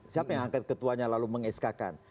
siapa yang angkat ketuanya lalu mengeskakan